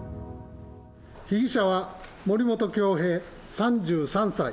被疑者は森本恭平３３歳。